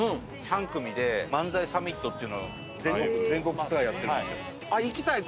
３組で『漫才サミット』っていうの全国ツアーやってるんですよ。